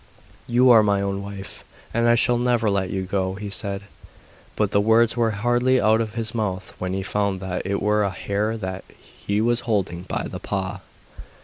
'You are my own wife, and I shall never let you go,' he said. But the words were hardly out of his mouth when he found that it was a hare that he was holding by the paw.